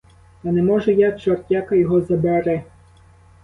Та не можу я, чортяка його забери!